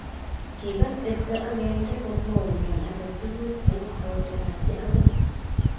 Kigas chepto akenge komwoune age tukuk cheibwatu Haji okoi